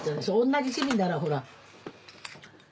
同じ趣味ならほら。